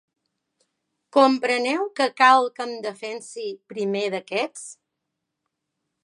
Compreneu que cal que em defensi primer d'aquests?